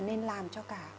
nên làm cho cả